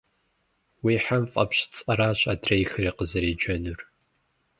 Уи хьэм фӏэпщ цӏэращ адрейхэри къызэреджэнур.